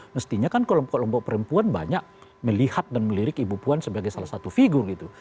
mestinya kan kelompok kelompok perempuan banyak melihat dan melirik ibu puan sebagai salah satu figur gitu